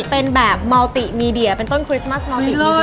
เป็นแบบมอลติมีเดียเป็นต้นคริสต์มัสมอลติมีเดีย